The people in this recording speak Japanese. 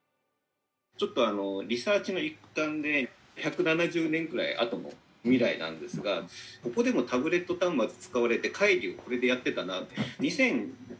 ちょっとリサーチの一端で１７０年ぐらい後の未来なんですがここでもタブレット端末使われて会議をこれでやってたなと。